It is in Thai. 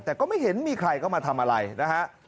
แต่ก็ไม่เห็นมีใครเข้ามาทำอะไรนะฮะ